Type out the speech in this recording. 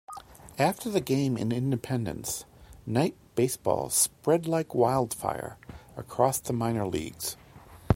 After the game in Independence, night baseball "spread like wildfire" across the minor leagues.